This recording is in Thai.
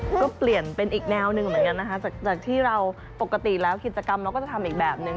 ก็เปลี่ยนเป็นอีกแนวหนึ่งเหมือนกันนะคะจากที่เราปกติแล้วกิจกรรมเราก็จะทำอีกแบบนึง